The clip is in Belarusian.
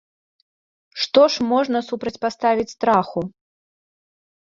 Што ж можна супрацьпаставіць страху?